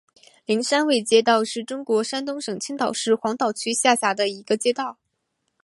灵山卫街道是中国山东省青岛市黄岛区下辖的一个街道。